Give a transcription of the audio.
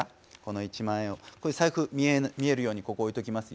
これ財布見えるようにここ置いときますよ。